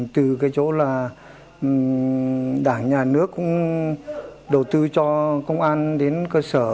từ cái chỗ là đảng nhà nước cũng đầu tư cho công an đến cơ sở